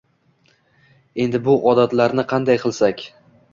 Endi bu “odatlar”ni qanday qilsak